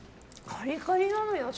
カリカリなのよ。